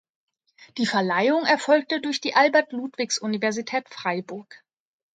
Die Verleihung erfolgte durch die Albert-Ludwigs-Universität Freiburg.